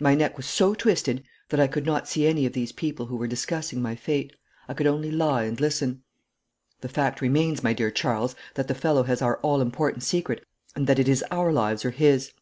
My neck was so twisted that I could not see any of these people who were discussing my fate. I could only lie and listen. 'The fact remains, my dear Charles, that the fellow has our all important secret, and that it is our lives or his.